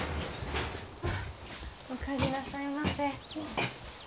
お帰りなさいませ。